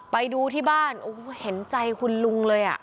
ไปดูที่บ้านโอ้โหเห็นใจคุณลุงเลยอ่ะ